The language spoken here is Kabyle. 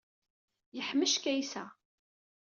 Yeḥmec Kaysa.